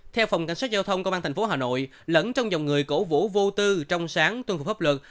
theo phòng cảnh sát giao thông công an tp hà nội lẫn trong dòng người cổ vũ vô tư trong sáng tuân phục hấp lực